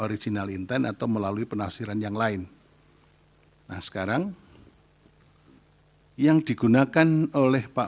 original intent atau melalui penafsiran yang lain nah sekarang yang digunakan oleh pak